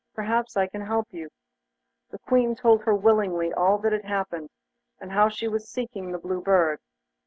Perhaps I can help you.' The Queen told her willingly all that had happened, and how she was seeking the Blue Bird.